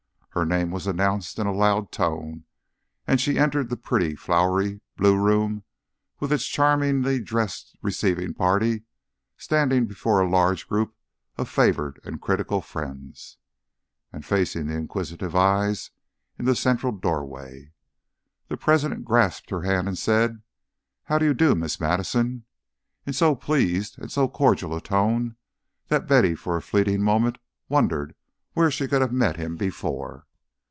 Her name was announced in a loud tone, and she entered the pretty flowery Blue Room with its charmingly dressed receiving party standing before a large group of favoured and critical friends, and facing the inquisitive eyes in the central doorway. The President grasped her hand and said, "How do you do, Miss Madison?" in so pleased and so cordial a tone that Betty for a fleeting moment wondered where she could have met him before.